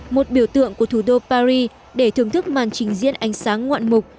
một biểu tượng của thủ đô paris để thưởng thức màn trình diễn ánh sáng ngoạn mục